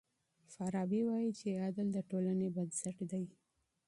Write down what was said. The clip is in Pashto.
فارابي وايي چي عدل د ټولني بنسټ دی.